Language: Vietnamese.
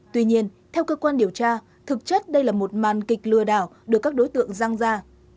tuy nhiên theo cơ quan điều tra thực chất đây là một màn kịch lừa đảo được các đối tượng răng ra